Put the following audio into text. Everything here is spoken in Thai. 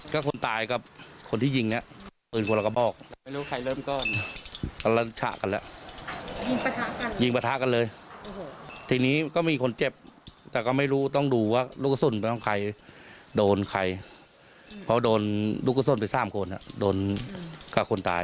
ก็คนตายกับคนที่ยิงเนี่ยปืนคนละกระบอก